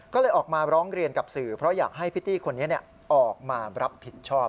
ก็เลยออกมาร้องเรียนกับสื่อเพราะอยากให้พิตตี้คนนี้ออกมารับผิดชอบ